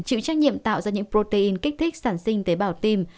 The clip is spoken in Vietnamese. chịu trách nhiệm tạo ra những protein kích thích sản sinh tế bào tim